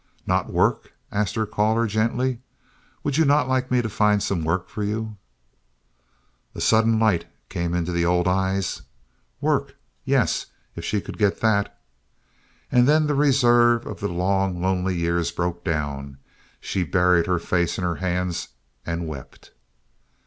"Not work?" asked her caller, gently. "Would you not like me to find some work for you?" A sudden light came into the old eyes. "Work yes, if she could get that " And then the reserve of the long, lonely years broke down. She buried her face in her hands and wept.